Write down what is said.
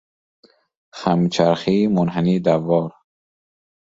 خم چرخی، منحنی دوار